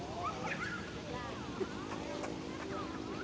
สวัสดีครับทุกคน